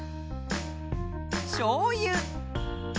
しょうゆ。